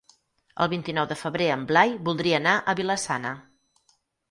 El vint-i-nou de febrer en Blai voldria anar a Vila-sana.